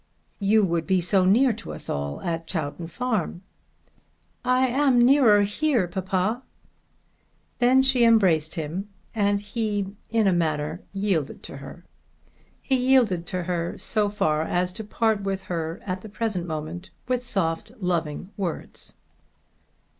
"You would be so near to us all at Chowton Farm!" "I am nearer here, papa." Then she embraced him, and he in a manner yielded to her. He yielded to her so far as to part with her at the present moment with soft loving words.